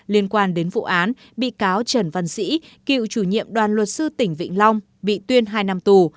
liên quan đến vụ án bị cáo trần văn sĩ cựu chủ nhiệm đoàn luật sư tỉnh vĩnh long bị tuyên hai năm tù